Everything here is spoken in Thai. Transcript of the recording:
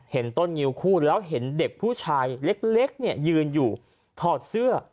เห็นต้นงิวคู่แล้วเห็นเด็กผู้ชายเล็กเนี่ยยืนอยู่ถอดเสื้อ